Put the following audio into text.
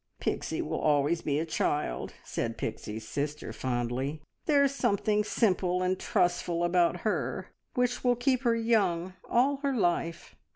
"Pixie will always be a child," said Pixie's sister fondly. "There is something simple and trustful about her which will keep her young all her life.